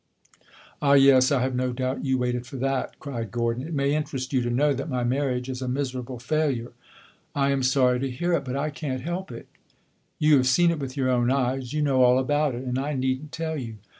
"Ah, yes, I have no doubt you waited for that!" cried Gordon. "It may interest you to know that my marriage is a miserable failure." "I am sorry to hear it but I can't help it." "You have seen it with your own eyes. You know all about it, and I need n't tell you."